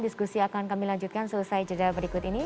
diskusi akan kami lanjutkan selesai jeda berikut ini